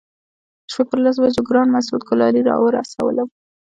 د شپې پر لسو بجو ګران مسعود ګلالي راورسولم.